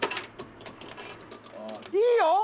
いいよ！